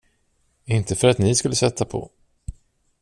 Inte för att ni skulle sätta på.